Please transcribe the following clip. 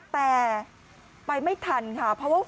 แต่ไปไม่ทันค่ะเพราะว่า